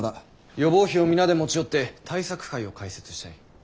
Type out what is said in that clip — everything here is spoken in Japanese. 予防費を皆で持ち寄って対策会を開設したい。